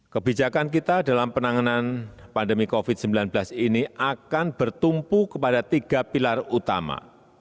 kebijakan kita dalam penanganan pandemi covid sembilan belas ini akan bertumpu kepada tiga pilar utama